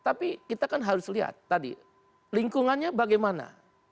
tapi kita kan harus lihat tadi lingkungannya bagaimana